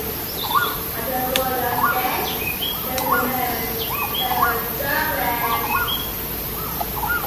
After Rhoda's death, Davis married Sarah Douglas.